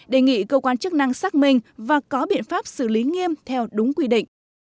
đề nghị cơ quan chức năng xác minh và có biện pháp xử lý nghiêm theo đúng quy định